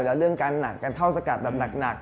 แล้วเรื่องการหนักการเข้าสกัดแบบหนัก